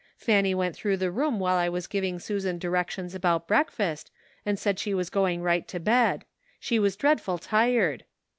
Fanny went through the room while I was giving Susan directions about breakfast, and said she was going right to bed. She was dreadful tired.